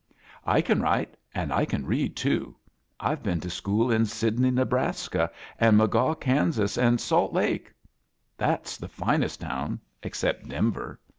"I can write, an' I can read, too. Tve heen to school in Sidney, Nebraska, an' Magaw, Kansas, an* Salt Lake — that's the finest town except Denver."